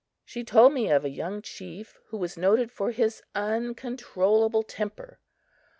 She told me of a young chief who was noted for his uncontrollable temper.